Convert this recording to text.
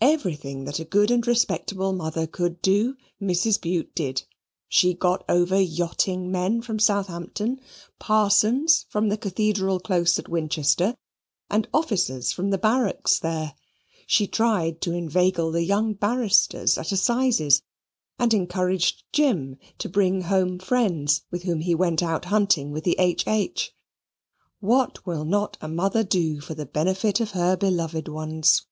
Everything that a good and respectable mother could do Mrs. Bute did. She got over yachting men from Southampton, parsons from the Cathedral Close at Winchester, and officers from the barracks there. She tried to inveigle the young barristers at assizes and encouraged Jim to bring home friends with whom he went out hunting with the H. H. What will not a mother do for the benefit of her beloved ones?